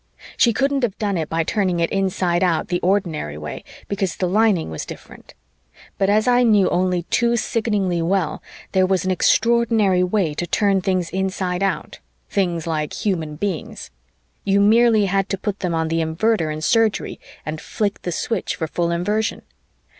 She couldn't have done it by turning it inside out the ordinary way, because the lining was different. But as I knew only too sickeningly well, there was an extraordinary way to turn things inside out, things like human beings. You merely had to put them on the Invertor in Surgery and flick the switch for full Inversion.